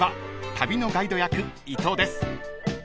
旅のガイド役伊藤です］